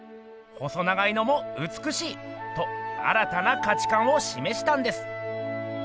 「細長いのもうつくしい！」と新たな価値観をしめしたんです。